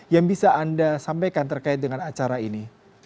yang bisa anda sampaikan terkait dengan acara ini